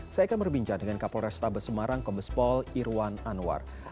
saya akan berbincang dengan kapolresta besemarang kombespol irwan anwar